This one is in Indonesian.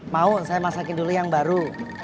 mau saya masakin dulu yang baru